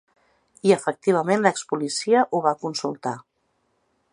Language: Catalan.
I efectivament l’ex-policia ho va consultar.